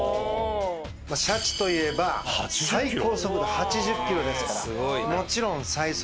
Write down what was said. シャチといえば最高速度８０キロですからもちろん最速。